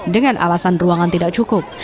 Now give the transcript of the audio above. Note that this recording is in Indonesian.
dengan alasan ruangan tidak cukup